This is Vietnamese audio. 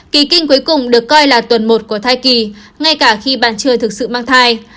kỳ kinh cuối cùng được coi là tuần một của thai kỳ ngay cả khi bạn chơi thực sự mang thai